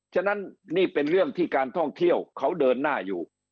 ฉะนั้นนี่เป็นเรื่องที่การท่องเที่ยวเขาเดินหน้าอยู่